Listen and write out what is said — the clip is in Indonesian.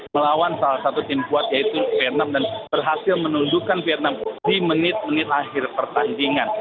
melawan salah satu tim kuat yaitu vietnam dan berhasil menundukkan vietnam di menit menit akhir pertandingan